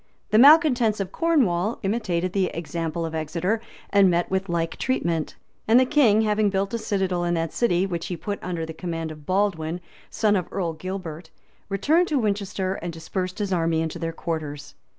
The malecontents of Cornwall imitated the example of Exeter, and met with like treatment; and the king having built a citadel in that city, which he put under the command of Baldwin, son of Earl Gilbert, returned to Winchester, and dispersed his army into their quarters.